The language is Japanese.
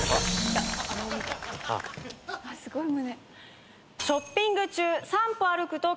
すごい胸。